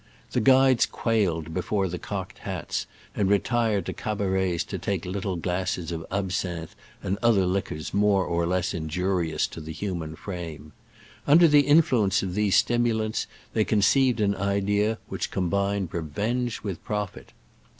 The guides quailed before the cocked hats, and re tired to cabarets to take little glasses of absinthe and other liquors more or less injurious to the human frame^ Under the influence of these stimulants they conceived an idea which combined re venge with profit.